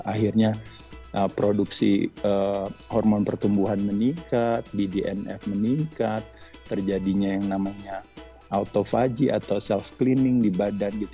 akhirnya produksi hormon pertumbuhan meningkat bdnf meningkat terjadinya yang namanya autofagi atau self cleaning di badan